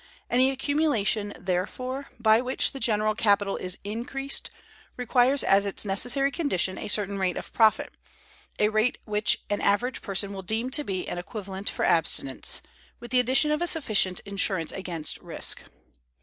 Any accumulation, therefore, by which the general capital is increased, requires as its necessary condition a certain rate of profit—a rate which an average person will deem to be an equivalent for abstinence, with the addition of a sufficient insurance against risk.